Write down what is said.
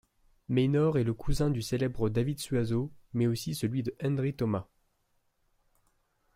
Maynor est le cousin du célèbre David Suazo mais aussi celui de Hendry Thomas.